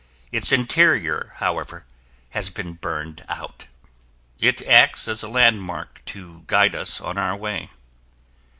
Its interior, however, has been burned out. It acts as a landmark to guide us on our way.